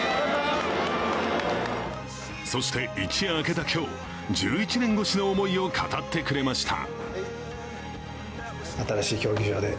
そして、一夜明けた今日、１１年越しの思いを語ってくれました。